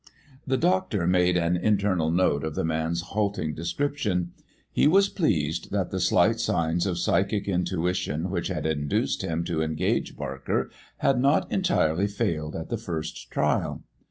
The doctor made an internal note of the man's halting description; he was pleased that the slight signs of psychic intuition which had induced him to engage Barker had not entirely failed at the first trial.